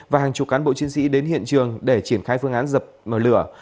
và hàng chục cán bộ chiến sĩ đến hiện trường để triển khai phương án dập mở lửa